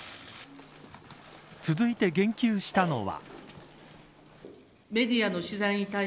続いて言及したのは。